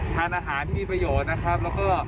ทำส่งอาหารที่มีประโยชน์นะครับ